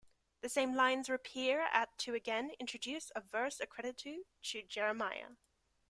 These same lines reappear at to again introduce a verse accredited to Jeremiah.